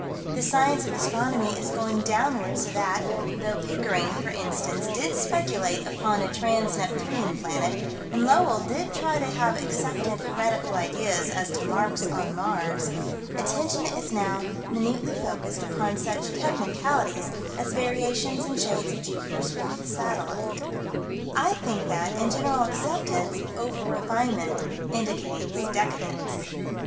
The science of astronomy is going downward so that, though Pickering, for instance, did speculate upon a Trans Neptunian planet, and Lowell did try to have accepted heretical ideas as to marks on Mars, attention is now minutely focused upon such technicalities as variations in shades of Jupiter's fourth satellite. I think that, in general acceptance, over refinement indicates decadence.